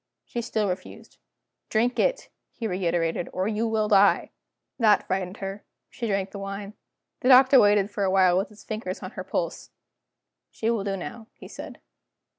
She still refused. "Drink it," he reiterated, "or you will die." That frightened her; she drank the wine. The Doctor waited for a while with his fingers on her pulse. "She will do now," he said.